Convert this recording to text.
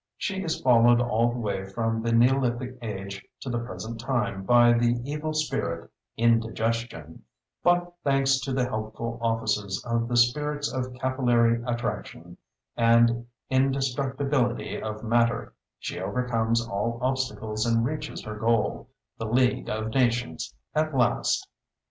She is followed all the way from the Neolithic Age to the Present Time by the evil spirit, Indigestion, but, thanks to the helpful offices of the Spirits of Capillary Attraction, and Indestructibility of Matter, she overcomes all obstacles and reaches her goal, The League of Nations, at last.